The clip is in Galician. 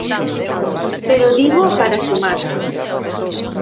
Pero dígoo para sumar.